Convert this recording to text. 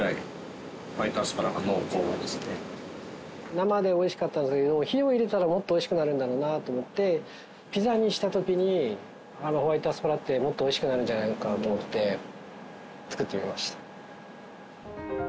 生でおいしかったんだけど火を入れたらもっとおいしくなるんだろうなと思ってピザにした時にホワイトアスパラってもっとおいしくなるんじゃないのかと思って作ってみました。